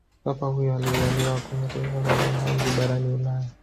papa huyo alizaliwa kwenye taifa la Uholanzi barani ulaya